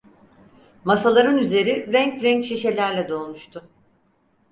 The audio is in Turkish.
Masaların üzeri renk renk şişelerle dolmuştu.